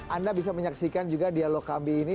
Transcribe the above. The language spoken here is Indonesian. anda bisa menyaksikan juga dialog kami ini